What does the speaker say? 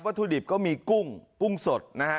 ถุดิบก็มีกุ้งกุ้งสดนะฮะ